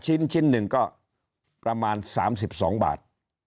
ชิ้นหนึ่งก็ประมาณ๓๒บาท